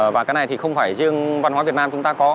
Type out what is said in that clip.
và cái này thì không phải riêng văn hóa việt nam chúng ta có